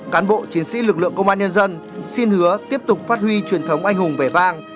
cán bộ chiến sĩ lực lượng công an nhân dân xin hứa tiếp tục phát huy truyền thống anh hùng vẻ vang